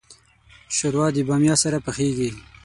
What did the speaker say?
ښوروا د بامیا سره پخیږي.